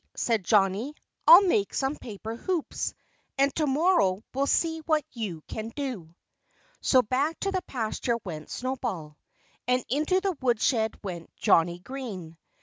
said Johnnie. "I'll make some paper hoops. And to morrow we'll see what you can do." So back to the pasture went Snowball. And into the woodshed went Johnnie Green.